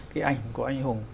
cái ảnh của anh hùng